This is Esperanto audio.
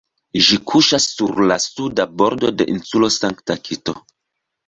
Ĝi kuŝas sur la suda bordo de Insulo Sankta-Kito.